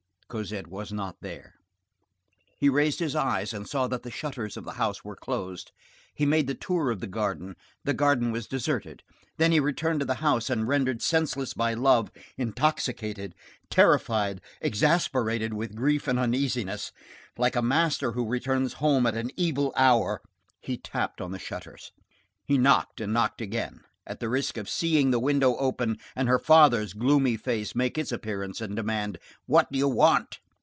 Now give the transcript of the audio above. Cosette was not there. He raised his eyes, and saw that the shutters of the house were closed. He made the tour of the garden, the garden was deserted. Then he returned to the house, and, rendered senseless by love, intoxicated, terrified, exasperated with grief and uneasiness, like a master who returns home at an evil hour, he tapped on the shutters. He knocked and knocked again, at the risk of seeing the window open, and her father's gloomy face make its appearance, and demand: "What do you want?"